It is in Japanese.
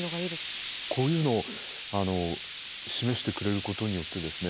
こういうのを示してくれることによってですね